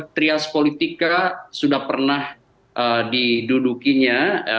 trials politika sudah pernah didudukinya